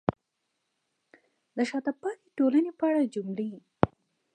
د شاته پاتې ټولنې په اړه جملې: